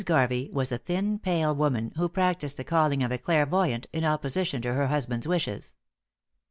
Garvey was a thin, pale woman, who practised the calling of a clairvoyant, in opposition to her husband's wishes.